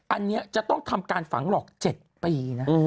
อันนี้จะต้องทำการฝังหรอก๗ปีนะ